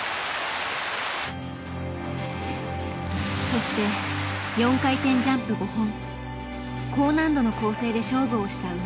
そして４回転ジャンプ５本高難度の構成で勝負をした宇野。